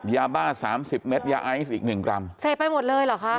ยาบ้าสามสิบเม็ดยาไอซ์อีกหนึ่งกรัมเสพไปหมดเลยเหรอคะ